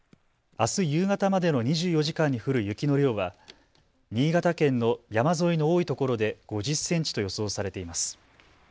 あす夕方までの２４時間に降る雪の量は新潟県の山沿いの多いところで５０センチと予想されています。